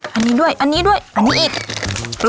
ขอบคุณครับ